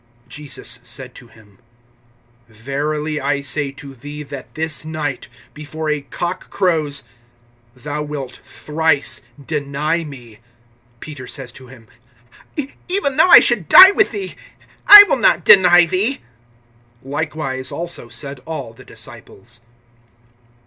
(34)Jesus said to him: Verily I say to thee, that this night, before a cock crows, thou wilt thrice deny me. (35)Peter says to him: Even though I should die with thee, I will not deny thee. Likewise also said all the disciples.